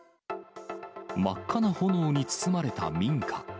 真っ赤な炎に包まれた民家。